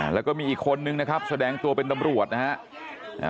แล้วก็มีอีกคนนึงนะครับแสดงตัวเป็นตำรวจนะฮะ